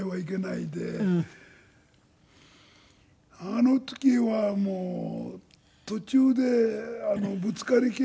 あの時はもう途中でぶつかり稽古長いですよ。